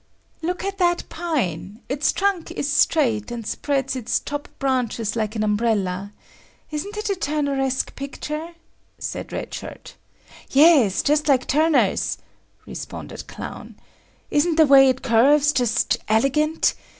"Look at that pine; its trunk is straight and spreads its top branches like an umbrella. Isn't it a Turnersque picture?" said Red Shirt. "Yes, just like Turner's," responded Clown, "Isn't the way it curves just elegant?